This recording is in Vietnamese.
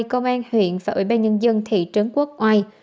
công an huyện và ủy ban nhân dân thị trấn quốc oai